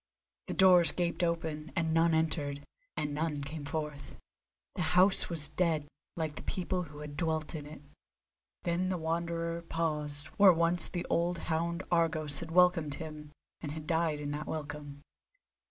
The doors gaped open, and none entered, and none came forth. The house was dead, like the people who had dwelt in it. Then the Wanderer paused where once the old hound Argos had welcomed him and had died in that welcome.